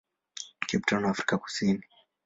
Cape Town, Afrika Kusini.